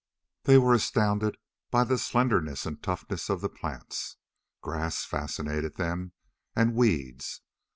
They were astounded by the slenderness and toughness of the plants. Grass fascinated them, and weeds.